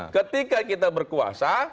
ketika kita berkuasa